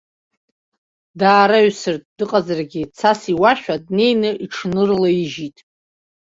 Даараҩсыртә дыҟазаргьы, цас иуашәа, днеины иҽынарылаижьуеит.